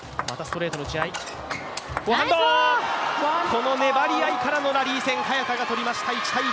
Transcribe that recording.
この粘り合いからのラリー戦、早田が取りました。